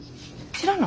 知らんの？